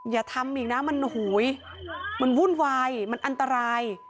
อย่าทำอีกนะมันวุ่นวายมันอันตราย